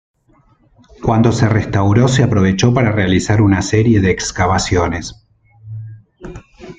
Cuando se restauró se aprovechó para realizar una serie de excavaciones.